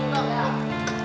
jangan lama cek